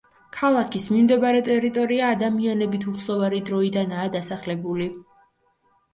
ქალაქის მიმდებარე ტერიტორია ადამიანებით უხსოვარი დროიდანაა დასახლებული.